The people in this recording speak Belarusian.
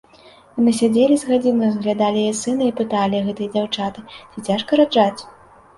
Яны сядзелі з гадзіну, разглядалі яе сына і пыталі, гэтыя дзяўчаты, ці цяжка раджаць.